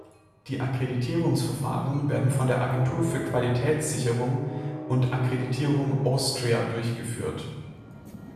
Die Akkreditierungsverfahren werden von Agentur für Qualitätssicherung und Akkreditierung Austria durchgeführt.